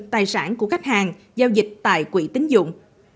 tài sản của khách hàng giao dịch tại quỹ tính dụng